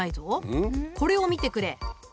これを見てくれ。